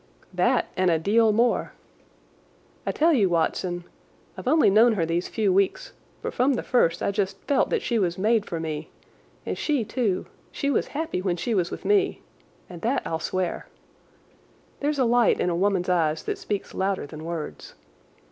"That, and a deal more. I tell you, Watson, I've only known her these few weeks, but from the first I just felt that she was made for me, and she, too—she was happy when she was with me, and that I'll swear. There's a light in a woman's eyes that speaks louder than words.